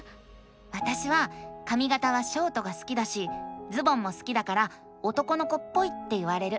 わたしはかみがたはショートが好きだしズボンも好きだから男の子っぽいって言われる。